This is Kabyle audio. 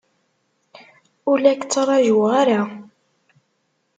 Ur la k-ttṛajuɣ ara.